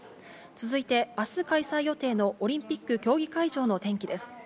続いて、明日開催予定のオリンピック競技会場の天気です。